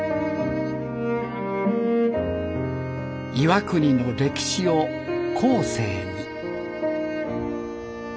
岩国の歴史を後世に。